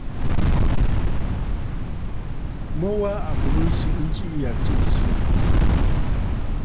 Mu wa à bùrə nswìʼi njiʼì ya tsiʼì swìʼì!